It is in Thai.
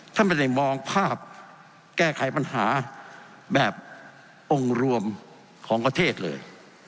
ท่านไม่ได้มองภาพแก้ไขปัญหาแบบองค์รวมของประเทศเลย